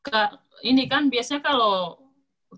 nah ini kan biasanya kalau